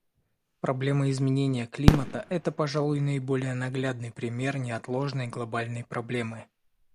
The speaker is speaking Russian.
Проблема изменения климата — это, пожалуй, наиболее наглядный пример неотложной глобальной проблемы.